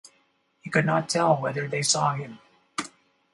He could not tell whether they saw him.